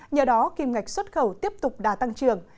nhờ đó kim ngạch xuất khẩu tiếp tục đã tăng trưởng